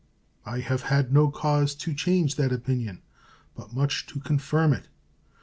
I have had no cause to change that opinion, but much to confirm it.